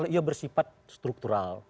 itu bersifat struktural